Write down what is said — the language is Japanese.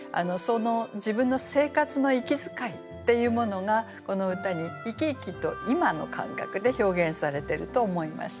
自分の生活の息遣いっていうものがこの歌に生き生きと今の感覚で表現されてると思いました。